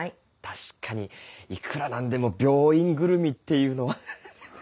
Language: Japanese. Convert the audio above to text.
確かにいくら何でも病院ぐるみっていうのは。